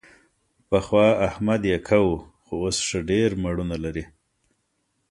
پخوا احمد یکه و، خو اوس ښه ډېر مېړونه لري.